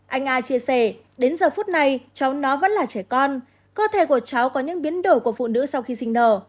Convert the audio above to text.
anh a chia sẻ đến giờ phút này cháu nó vẫn là trẻ con cơ thể của cháu có những biến đổi của phụ nữ sau khi sinh nở